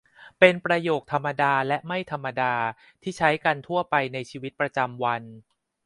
เป็นประโยคธรรมดาและไม่ธรรมดา ที่ใช้กันทั่วไปในชีวิตประจำวัน